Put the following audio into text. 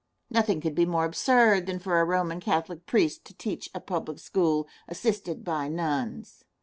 Nothing could be more absurd than for a Roman Catholic priest to teach a public school, assisted by nuns.